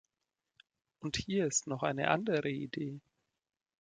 Und hier ist noch eine andere Idee.